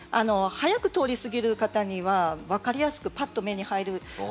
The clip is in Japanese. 速く通り過ぎる方には分かりやすくパッと目に入る